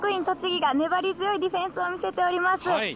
栃木が粘り強いディフェンスを見せております。